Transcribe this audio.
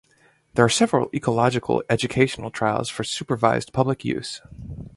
There are several "ecological" educational trails for supervised public use.